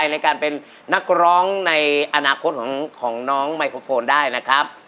ในการเป็นนักร้องในอนาคตของน้องไมโครโฟนได้นะครับ